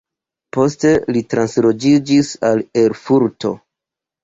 Poste li transloĝiĝis al Erfurto.